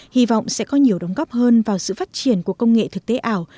hy vọng sẽ có nhiều đóng góp hơn vào sự phát triển của công nghệ thực tế ảo